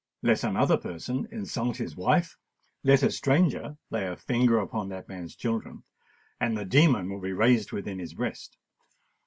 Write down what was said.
Let another person insult his wife—let a stranger lay a finger upon that man's children, and the demon will be raised within his breast.